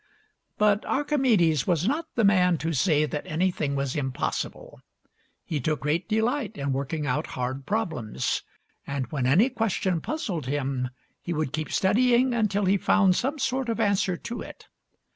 But Archimedes was not the man to say that any thing was impossible. He took great delight in working out hard problems, and when any question puzzled him he would keep studying until he found some sort of answer to it.